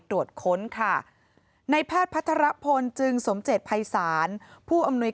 ตรวจค้นค่ะในแพทย์พัทรพลจึงสมเจตภัยศาลผู้อำนวย